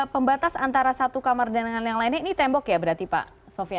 pembatas antara satu kamar dan dengan yang lainnya ini tembok ya berarti pak sofian